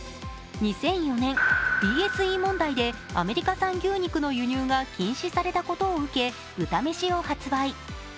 ２００４年、ＢＳＥ問題でアメリカ産牛肉の輸入が禁止されたことを受け豚めしを発売。